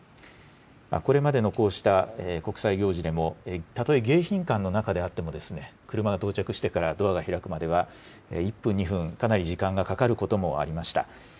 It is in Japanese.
これまでのこうした国際行事でも、たとえ迎賓館の中であっても、車が到着してからドアが開くまでは１分、２分、かなり時間がかかることもありました。